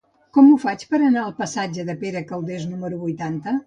Com ho faig per anar al passatge de Pere Calders número vuitanta?